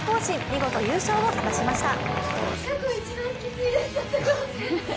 見事優勝を果たしました。